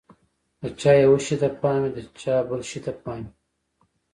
د چا یوه شي ته پام وي، د چا بل شي ته پام وي.